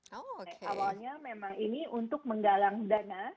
jadi sebenarnya memang ini untuk menggalang dana